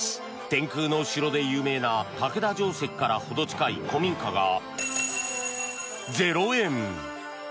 天空の城で有名な竹田城跡からほど近い古民家が０円。